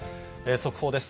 速報です。